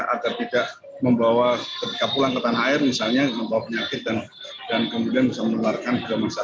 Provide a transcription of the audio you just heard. agar tidak membawa ketika pulang ke tanah air misalnya membawa penyakit dan kemudian bisa menularkan ke masyarakat